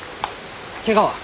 ケガは？